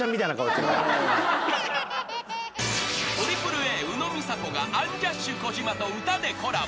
［ＡＡＡ宇野実彩子がアンジャッシュ児嶋と歌でコラボ］